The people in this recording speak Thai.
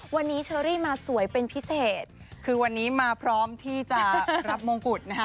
วันนี้เชอรี่มาสวยเป็นพิเศษคือวันนี้มาพร้อมที่จะรับมงกุฎนะคะ